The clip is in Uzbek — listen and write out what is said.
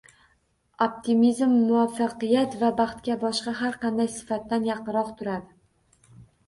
Optimizm muvaffaqiyat va baxtga boshqa har qanday sifatdan yaqinroq turadi